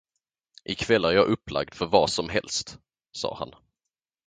I kväll är jag upplagd för vad som helst, sade han.